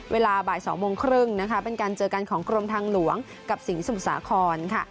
เวลาบ่าย๒โมงครึ่งนะคะเป็นการเจอกันของกรมทางหลวงกับสิงห์สมุทรสาครค่ะ